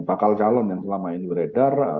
bakal calon yang selama ini beredar